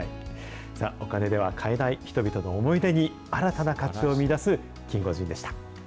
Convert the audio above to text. お金では買えない人々の思い出に新たな価値を見いだすキンゴジンでした。